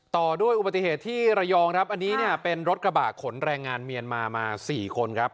ต่อด้วยอุบัติเหตุที่ระยองครับอันนี้เนี่ยเป็นรถกระบะขนแรงงานเมียนมามา๔คนครับ